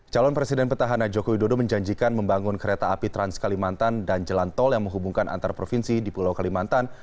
calon presiden petahana jokowi dodo menjanjikan membangun kereta api trans kalimantan dan jalan tol yang menghubungkan antar provinsi di pulau kalimantan